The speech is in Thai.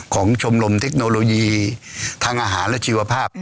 ชมรมเทคโนโลยีทางอาหารและชีวภาพ